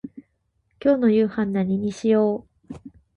今日の夕飯何にしよう。